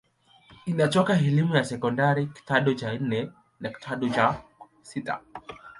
Inatoa elimu ya sekondari kidato cha nne na kidato cha sita.